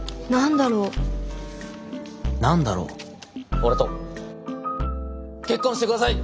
俺と結婚して下さい！